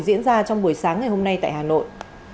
diễn ra trong buổi sáng ngày hôm nay tại hà nội